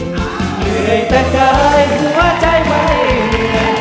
เหนื่อยแต่กายหัวใจไม่เหนื่อย